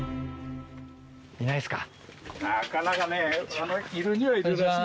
いないっすか？